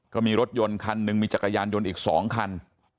ก็มีรถยนต์คันหนึ่งมีจักรยานยนต์อีก๒คัน